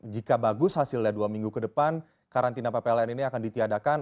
jika bagus hasilnya dua minggu ke depan karantina ppln ini akan ditiadakan